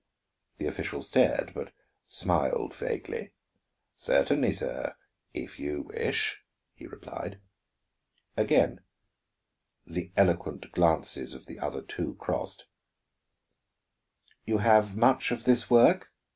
The official stared, but smiled vaguely. "Certainly, sir; if you wish," he replied. Again the eloquent glances of the other two crossed. "You have much of this work?"